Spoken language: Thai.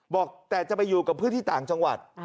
บอกจะไปอยู่กับผู้ที่ต่างจังหวัด